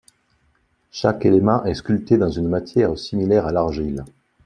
Chaque élément est sculpté dans une matière similaire à l'argile.